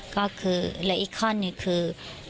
ก็คือและอีกข้อนึงคือ